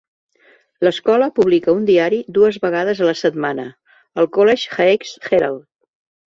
L'escola publica un diari dues vegades a la setmana, el College Heights Herald.